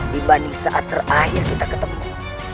dibanding saat terakhir kita ketemu